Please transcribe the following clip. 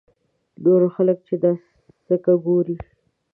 نور خلک چې دا سکه ګوري.